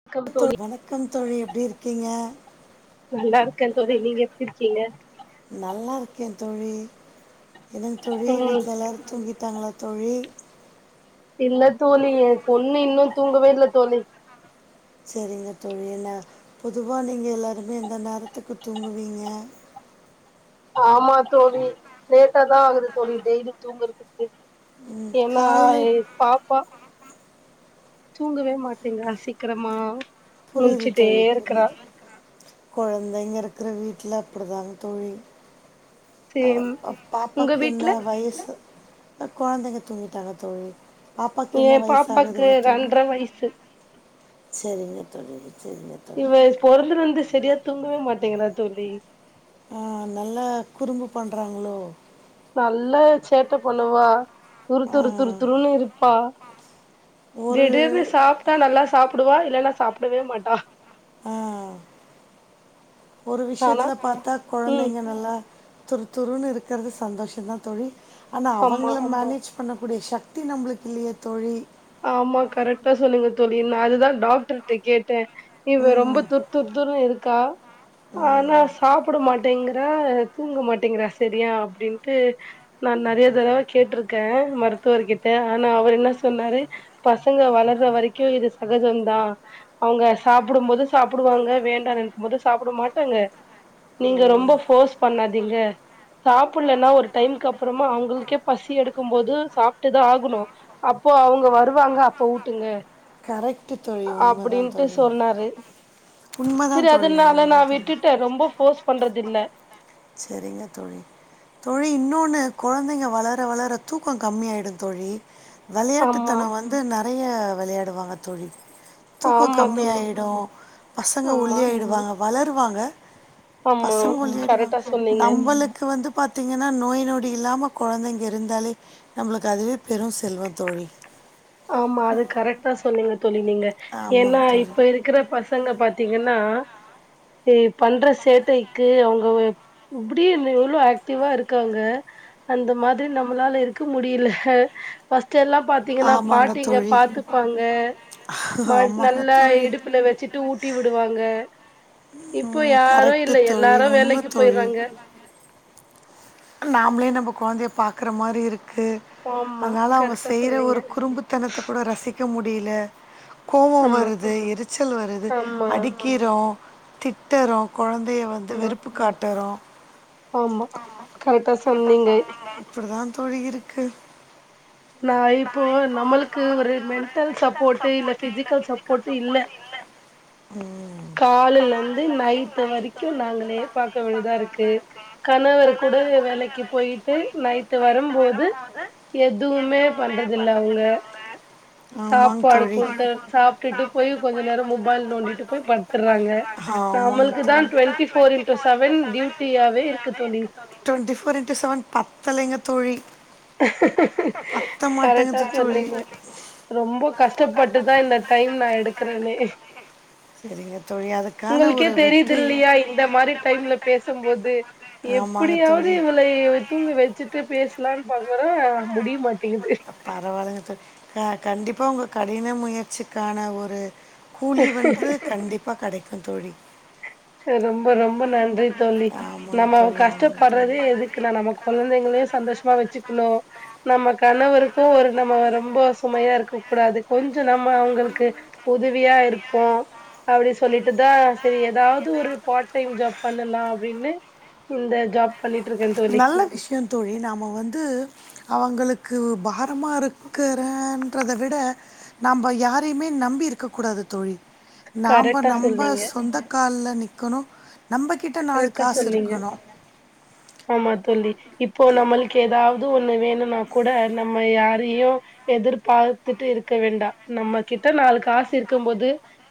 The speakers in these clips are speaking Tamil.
வணக்கம் தோ தோழி வணக்கம் தோழி எப்டி இருக்கீங்க நல்லாருக்கே தோழி நீங்க எப்பிடி இருக்கீங்க ஓகே தோழி என்னங்க தோழி ம் வீட்ல எல்லாரு தூங்கிட்டாங்களா தோழி இல்ல தோழி ஏ பொண்ணு இன்னு தூங்கவே இல்ல தோழி செரிங்க தோழி என்ன பொதுவா நீங்க எல்லாருமே இந்த நேரத்துக்கு தூங்குவீங்க ஆமா தோழி லேட்டா தா ஆகுது தோழி டெய்லி தூங்குறதுக் ம் என்னா காலையில ஏ பாப்பா தூங்கவே மாட்டேங்கரா சீக்கிரமா முழுச்சுட்டே இருக்கறா குழந்தைங்க இருக்கிற வீட்டுல அப்படிதாங்க தோழி சேம் அஹ் உங்க பாப்பாக்கு என்ன வீட்ல வயசு ஆ கொழந்தைங்க தூங்கிட்டாங்க தோழி பாப்பாக்கு என்ன என் பாப்பாக்கு வயசாகுதுங்க தோழி ரென்ற வயசு சரிங்க தோழி சரிங்க தோழி இவ பொறந்தலிருந்து சரியா தூங்கவே மாட்டீங்களா தோழி ஆஹ் நல்லா குறும்பு பண்றாங்களோ நல்லா சேட்ட பண்ணுவா துரு ஆ துரு துரு துருன்னு இருப்பா ஒரு திடீர்னு சாப்பிட்டா நல்லா சாப்பிடுவா இல்லனா சாப்பிடவே மாட்டா ஆஹ் ஒரு ஆனா விஷயத்துல பாத்தா ம் குழந்தைங்க நல்லா துரு துருன்னு இருக்கிறது சந்தோஷந்தான் தோழி ஆனா ஆமா அவங்கள மேனேஜ் பண்ணக்கூடிய சக்தி நம்மளுக்கு இல்லையே தோழி ஆமா கரெக்ட்டா சொன்னீங்க தோழி நா அதுதா டாக்டர்ட்ட கேட்டேன் இவ ரொம்ப ம் துர் துர் தூரம் இருக்கா ஆனா சாப்பிட மாட்டேங்கிறா தூங்க மாட்டேங்கறா சரியா அப்டின்ட்டு நா நறைய தடவ கேட்டிருக்கே மருத்துவர்கிட்ட ஆனா அவர் என்ன சொன்னாரு பசங்க வளர்ற வரைக்கும் இது சகஜம்தா அவாங்க சாப்பிடும் போது சாப்புடுவாங்க வேண்டான்னுக்கும்போது சாப்புட மாட்டாங்க நீங்க ரொம்ப போர்ஸ் பண்ணாதீங்க சாப்புடலன்னா ஒரு டைமுக்கு அப்புறமா அவுங்களுக்கே பசி எடுக்கும் போது சாப்ட்டுதா ஆகணு அப்போ அவங்க வ வருவாங்க அப்போ ஊட்டுங்க கரெக்ட் தோழி உண்மைதான் அப்டின்ட்டு தோழி சொன்னாரு சரி உண்மைதான் தோழி அதனால நா உண்மைதான் விட்டுட்டே ரொம்ப ஃபோர்ஸ் பண்றது இல்ல சரிங்க தோழி தோழி இன்னொன்னு கொழந்தைங்க வளர வளர தூக்கோ கம்மியாயிடு தோழி வெளையாட்டுத் ஆமா தனோ வந்து ந நறைய வெளையாடுவாங்க தோழி தூக்கோ ஆமா தோழி கம்மியாயிடு பசங்க ஆமா ஒல்லியாய்டுவாங்க வளருவாங்க ஆமா பசங்க ஒல்லியாயிடுவாங்க. கரெட்டா நம்பளுக்கு இ வந்து பாத்தீங்கன்னா நோய் நொடி இல்லாம கொழந்தைங்க இருந்தாலே நம்புளுக்கு அதுவே பெரு செல்வோ தோலி ஆமா அது கரெக்ட் ஆ சொன்னுங்க சொல்லுனீங்க ஏன்னா ஆமாங்க தோழி. இப்ப இருக்கிற பசங்க பத் பாத்தீங்கன்னா இ பண்ற சேட்டைக்கு அவுங்க வ இப்புடினு எவ்ளோ ஆக்டிவா இருக்காங்க அந்த மாதிரி நம்மளால இருக்க முடியில ப ஸ்ட்டு எல்லாம் பாத்தீங்கன்னா ஆமாங்க பாட்டிங்க தோழி. பாத்துப்பாங்க ம ஆமாங்க நல்லா தோழி. இடுப்புல வச்சுட்டு ஊட்டி விடுவாங்க இப்போ ம் யாரும் கரெக்ட்டு இல்லை தோழி. எல்லாரு உண்ம வேலைக்கு போய்றாங்க நாம்ப்ளே நம்ப கொழந்தைய பாக்கற மாரி இரு க்கு ஆமா அதனால அவுங்க கரெக்டா செய்ற சொன்னீங்க ஒரு குறும்புத்தனத்த கூட ரசிக்க முடி டியில கோவோ ஆமா வருது எரிச்சல் வருது ஆமா அடிக்கிறோ திட்டரு கொழந்தைய வந்து ஆமா வெறுப்பு காட்டுறோ ஆமா கரெக்டா சொன்னீங்க இப்பிடி தா தோழி இருக்கு நா இப்போ நம்மளுக்கு ஒரு மென்டல் சப்போட்டு இல்ல பிசிக்கல் சப்போட்டு இல்ல ம் காலில இருந்து நைட்டு வரிக்கு நாங்களே பாக்க வேண்டிதாருக்கு கணவர் கூட வேலைக்கு போயிட்டு நைட்டு வரும்போது எது எதுமே பண்றதுல்ல அவுங்க ஆமாங்க சாப்பாடு தோழி கொடுத்து சாப்ட்டுட்டு போய் கொஞ்ச நேரோ மொபைல் நோண்டிட்டு போய் படுத்துறாங்க ஆமாங்க நாம்மளுக்கு தா தோழி ட்வெண்டி ஃபோர் இன்ட்டு செவன் டியூட்டியாவே இருக்கு தோழி டுவெண்ட்டி ஃபோர் இண்டு செவன் பத்தலைங்க தோழி, பத்த கரைட்டா மாட்டேங்குது தோழி சொன்னீங்க ரொம்ப கஷ்டப்பட்டுதா இந்த டைம் நா எடுக்கறனே, சரிங்க தோழி அதுக்கான உங்குளுக்கே ஒரு வெற்றி தெரிதில்லையா இந்த மாரி டைம்ல பேசும்போது ஆமாங்க எப்பிடியாவது, தோழி இவளை தூங்க வச்சுட்டு பேஸ்லா பாக்கர முடிய மாட் பரவால்ங்க தோழி அ கண்டிப்பா உங்களுக் கடின முயற்சிக்கான ஒரு கூலி வந்து கண்டிப்பா கடைக் தோழி ரொம்ப ரொம்ப நன்றி தோழி, ஆமாங்க நம்ம தோழி ஆமாங்க தோழி கஷ்டப்பட்றதே எதுக்குநா நம்ம கொழந்தங்களையும் சந்தோஷமா வச்சுக்கணும் நம்ம கணவருக்கும் ஒரு நம்ம ரொம்ப சுமையா இருக்க கூடாது கொஞ்சம் நம்ம அவங்களுக்கு உதவியா இருப்போம், அப்டி சொல்லிட்டு தான் செரி ஏதாவது ஒரு பார்ட் டைம் ஜாப் பண்ணலாம் அப்படின்னு இந்த ஜாப் பண்ணிட்டு இருக்கே தோழி நல்ல விஷ்யம் தோழி நாம வந்து அவங்களுக்கு க்கு பாரமாக இருக்கிறேன்றத விட நம்ம யாரையுமே நம்பி இருக்க கூடாது தோழி நாம கரெக்டா நம்ம சொன்னீங்க சொந்த கால்ல நிக் கொணோ நம்பகிட்ட நாலு கரெக்டா காசு சொன்னீங்க இருக்கணும் ஆமா தோழி இப்போ நம்மல்க்கு ஏதாவது ஒண்ணு வேணுனா கூட நம்ம யாரையும் எதிர்பார்த்துட்டு இருக்க வேண்டாம், நம்ம கிட்ட நாலு காசு இருக்கும் போது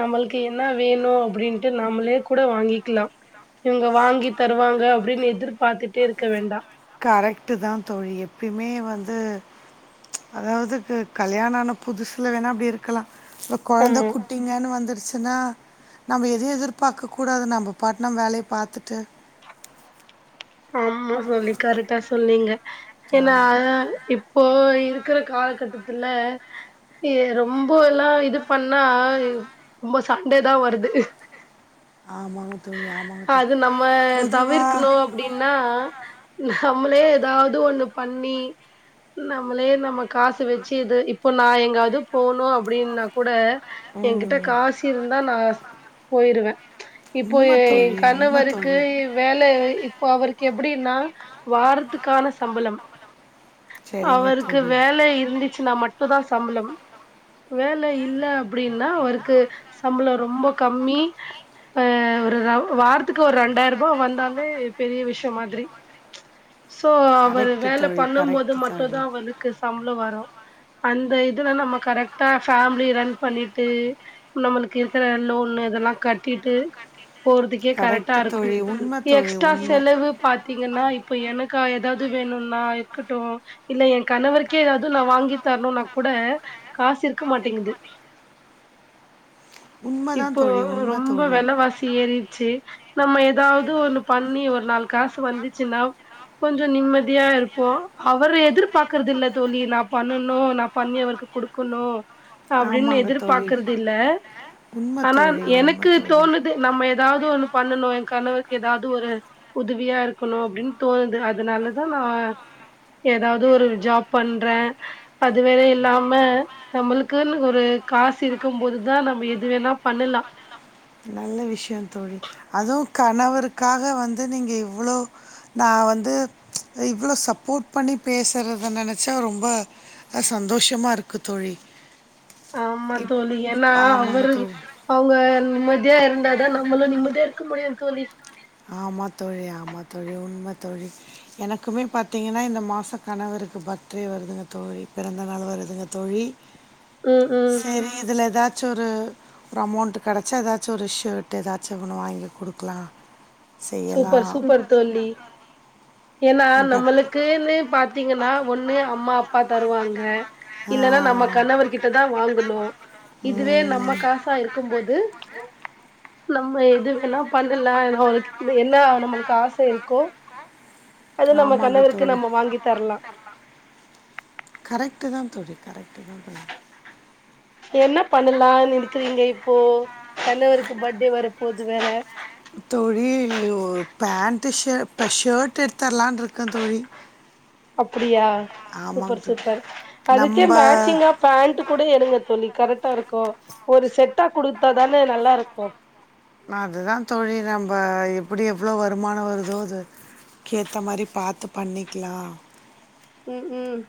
நம்மல்க்கு என்னா வேணும் அப்டின்ட்டு நம்மளே கூட வாங்கிக்லாம் இவங்க வாங்கி தருவாங்க அப்படின்னு எதிர் பாத்துட்டே இருக்க வேண்டாம், கரெக்ட் தான் தோழி எப்பயுமே வந்து அ அதாவது கல்யாணான புதுசுல வேணா அப்டி இருக்கலாம் இப்ப கொழந்த ஆமா குட்டிங்கனு வந்துருச்சு நா நம்ம எதும் எதிர்பார்க்க கூடாது நம்ம பாட்டு நம்ம வேலைய பாத்துட்டு ஆமா தோழி கரக்டா சொன்னீங்க ஏன்னா ஆமாங்க இப்போ இருக்கற காலகட்டத்துல ஏ ரொம்பலாம் இது பண்ணா ரொம்ப சண்டதா வருது, ஆமாங்க தோழி ஆமாங்க தோழி அது நம்ம பொதுவாக தவிர்க்ணும். ஆஹ் நம்ளே எதாவுது ஒன்னு பண்ணி நம்ளே நம்ம காசு வச்சு இது இப்போ நா எங்காவது போனும் அப்டினா கூட என்கிட்ட ம் காசு இருந்தா நா போயிருவ, இப்போ உண்மை தோழி என் உண்மை கணவருக்கு தோழி வேல இப்ப அவருக்கு எப்டினா, வாரத்துக்கான சம்பளம். சரிங்க அவருக்கு தோழி வேல இருந்துச்சுனா மட்டும்தா சம்பளம் வேல இல்ல அப்டினா அவருக்கு சம்பளம் ரொம்ப கம்மி, அஹ் ஒரு வாரத்துக்கு ஒரு ரெண்டாயிர ரூபா வந்தாலே பெரிய விஷ்யம் மாதிரி சோ அவரு கரெக்டு வேல தோழி பண்ணும் போது கரெக்டு தோழி மட்டும்தான் அவருக்கு சம்பளம் வரும். அந்த இதுல நம்ம கரெக்டா ஃபேமிலி ரன் பண்ணிட்டு நம்மளுக்கு இருக்கிற லோன் இதெல்லாம் கட்டிட்டு போறதுக்கே கரெக்டா கரெக்டு இருக்கும் தோழி உண்மை எக் தோழி ட்ரா உண்மை செலவு பாத்தீங்கன்னா இப்ப எனக் க்கா ஏதாவது வேணும்னா இருக்கட்டும் இல்ல என் கணவருக்கே ஏதாவது நான் வாங்கி தரணும்னா கூட காசு இருக்க மாட்டேங்குது. உண்மை தான் இப்போ தோழி உண்மை ரொம்ப தோழி வேலவாசி ஏறிடுச்சு. நம்ம ஏதாவது ஒன்னுப் பண்ணி ஒரு நாலு காசு வந்துச்சுன்னா கொஞ்சம் நிம்மதியா இருப்போம் அவரு எதிர்பார்க்கறது இல்ல தோழி நான் பண்ணணும் நான் பண்ணி அவருக்கு கொடுக்கணும் அப்டின் ஆமாங்க தோழி எதிர்பாக்குறது இல்ல உண்மை ஆனா தோழி உண்மை எனக்கு தோழி தோணுது நம்ம ஏதாவது ஒன்னுப் பண்ணணு ஏன் கணவக்கு எதாது து ஒரு உதவியா இருக்கணு அப்டின் தோணுது அதனாலதா நா எதாது ஒரு ஜாப் பண்றே அது வேற இல்லாம நம்ளுக்குனு ஒரு காசு இருக்கு போது தா நம்ப எது வேணா பண்ணலா நல்ல விஷயோ தோழி அதுவு கணவருக்காக வந்து நீங்க இவ்ளோ நா வந்து இவ்ளோ சப்போர்ட் பண்ணி பேசுறத நெனச்சா ரொம்ப சந்தோஷமாருக்கு தோழி ஆமா இப் தோழி ஏனா ஆமாங்க அவரு தோழி அவங்க நிம்மதியா இருந்ததா நம்மளு நிம்மதியா இருக்க முடியு தோழி ஆமா தோழி ஆமா தோழி உண்ம தோழி எனக்குமே பாத்தீங்கனா இந்த மாச கணவருக்கு பர்த்டே வருதுங்க தோழி பிறந்த நாள் வருதுங்க தோழி ம் ம் சரி இதுல ஏதா ச்சொரு ஒரு அமௌன்ட் கடைச்சா ஏதாச்சொரு ஷர்ட்டு ஏதாச்சு ஒன்னு வாங்கி குடுக்கலா சூப்பர் சூப்பர் தோழி ஏனா ப- நம்முளுக்குன்னு பாத்தீங்க னா ஒண்ணு அம்மா அப்பா தருவாங்க ஆ, இல்லன்னா நம்ம கணவர் கிட்டதா வாங்கணு இதுவே ம், நம்ம காசா இருக்கும்போது நம்ம எது வேணா பண்ணலா [unintelligible] இது என்னா நம்முளுக்கு ஆச இருக்கோ அது நம்ம ஆமாங்க கணவருக்கு தோழி நம்ம வாங்கி தர்லா கரெக்ட்டு தா தோழி கரெக்ட் [unintelligible] என்ன பண்ணலானு இருக்குறீங்க இப்போ கணவருக்கு பர்த்டே வரப்போது வேற தோழி இ ஓ பேண்ட் ஷர் இப்ப ஷர்ட் எடுத்தர்லான் ருக்கே தோழி அப்புடியா ஆமாங்க சூப்பர் தோழி சூப்பர் அதுக்கு நம்ம மேச்சிங்கா பேண்ட்டு கூட எடுங்க தோழி கரெக்டாருக்கு ஒரு செட்டா குடுத்தாதானே நல்லாருக்கு அதுதா தோழி நம்ப எப்டி எவ்ளோ வருமான வருதோ அது கேத்த மாரி பாத்து பண்ணிக்கலா ம் ம்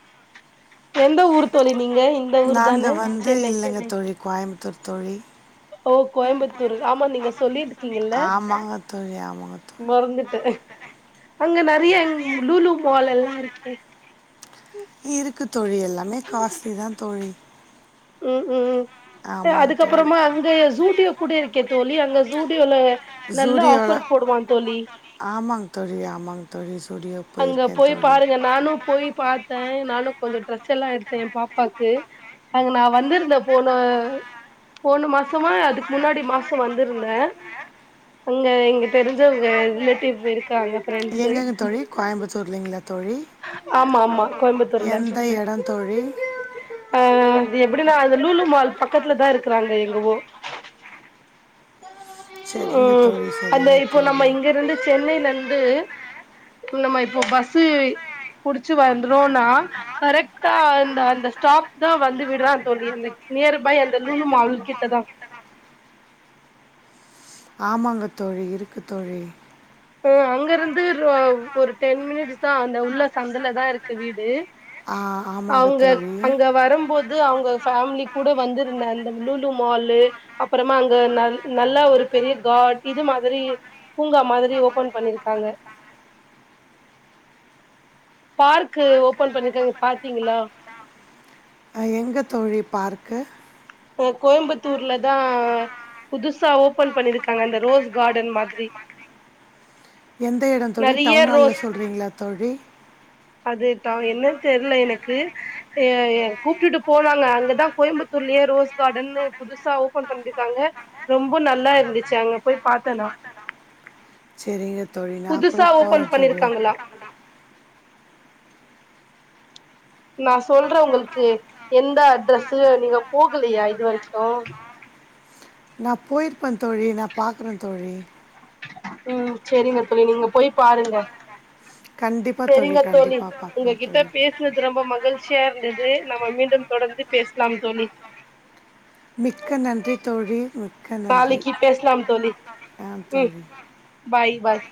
எந்த ஊர் தோழி நீங்க இந்த ஊர் தான நாங்கள் வந்து சென்னை இல்லைங்க தோழி கோயம்புத்தூர் தோழி ஓ கோயம்புத்தூரு ஆமா நீங்க தோழி இருக்கீங்கல்ல ஆமாங்க தோழி ஆமாங்க தோழி மறந்துட்டே அங்க நறைய லூலு மால் எல்லா இருக்கே இருக்கு தோழி எல்லாமே காஸ்ட்லி தா தோழி ம் ம் ஆமாங்க தோழி அதுக்கப்றமா அங்க சூடியோ கூட இருக்கே தோழி அங்க சூடியோல சூடியோல ஆமாங் தோழி ஆமாங் தோழி சூடியோல அங்க போய் பாருங்க நானு போய் பா க நானு கொஞ்சோ ட்ரெஸ் எல்லா எடுத்த எ பாப்பாக்கு. அங்க நா வந்திருந்த போன போன மாசமா அதுக்கு முன்னாடி மாசம் வந்திருந்த அங்க எங்க தெரிஞ்சவங்க ரிலேட்டிவ் வீ க்காங்க ஃப்ரெண்ட்ஸு கோயம்புத்தூர்ல ங்களா ஆமா ஆமா கோயம்புத்தூர்ல எந்த இடம் தோழி ஆஹ் அது எப்படின்னா அந்த லூலு மால் பக்கத்துல தா இருக்கறாங்க எங்கவோ. சரிங்க ஹம் தோழி அந்த சரிங்க இப்போ தோழி நம்ம இங்கருந்து சென்னையிலந்து அது நம்ம இப்போ பஸ்ஸூ புடிச்சு வந்துறோனா கரெக்டா அந்த அந்த ஸ்டாப் தா வந்து விடறா தோழி. அந்த நியர்பை அந்த லூலு மால்கிட்டதா ஆமாங்க தோழி இருக்கு தோழி. ம் ஆ அங்க இருந்து ஒரு டென் மினிட்ஸ் தா அந்த உள்ள சந்தல தா இருக்கு வீடு. ஆ ஆமாங்க அவங்க தோழி அங்க வரும்போது அவங்க ஃபேமிலி கூட வந்திருந்த அந்த லூல மாலு அப்புறமா அங்க நல்லா ஒரு பெரிய கார்ட் இது மாதிரி பூங்கா மாதிரி ஃபோன் பண்ணிருக்காங்க. பார்க்கு ஓபன் பண்ணிருக்காங்க பா்த்தீங்களா? எங்க தோழி பார்க்கு? கோயம்புத்தூர்லதான் புதுசா ஓபன் பண்ணிருக்காங்க அந்த ரோஸ் கார்டன் மாதிரி. எந்த இடம் தோழி நெறைய டவுன் ஹால்ல ரோஸ் சொல்றீங்களா தோழி? அது டா என்ன தெரியல எனக்கு. எ‌எ‌ கூப்பிட்டுட்டு போனாங்க அங்கதா கோயம்புத்தூர்லயே ரோஸ் கார்டன்னு புதுசா ஓபன் பண்ணிருக்காங்க. ரொம்ப நல்லா இருந்துச்சு அங்க போய் பாத்தனா சரிங்க தோழி. நா கூட புதுசா போற ஓபன் தோழி பண்ணிருக்காங்களா நா சொல்ற உங்களுக்கு எந்த அட்ரஸ்ஸு. நீங்க போகலையா இது வரைக்கு நா போயிருப்ப தோழி. நா பாக்கற தோழி. உம் சரிங்க தோழி நீங்க போய் பாருங்க. கண்டிப்பாக சரிங்க தோழி, கண்டிப்பாக பார்க்குறேன் உங்ககிட்ட தோழி பேசினது ரொம்ப மகிழ்ச்சி. ஈஸியா இருந்தது. நம்ம மீண்டும் தொடர்ந்து பேசலாம் தோழி. மிக்க நன்றி தோழி மிக்க நன்றி. நாளைக்கு பேசலாம் தோழி ஆஹ் ம் தோழி. பாய் பாய்